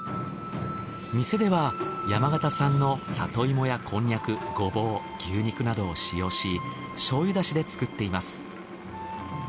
店では山形産の里芋やこんにゃくゴボウ牛肉などを使用し醤油出汁で作っています。